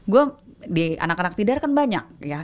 gue di anak anak tidar kan banyak ya